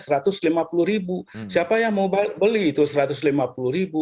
rp satu ratus lima puluh ribu siapa yang mau beli itu rp satu ratus lima puluh ribu